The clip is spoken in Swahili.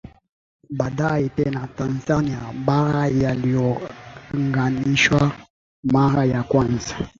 baadaye tena Tanzania Bara yaliunganishwa mara ya kwanza